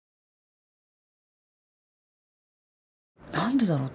何でだろう？